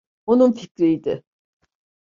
Onun fikriydi.